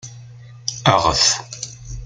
Aɣet!